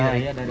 ada dari mana